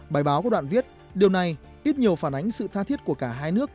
bài báo của đoạn viết điều này ít nhiều phản ánh sự tha thiết của cả hai nước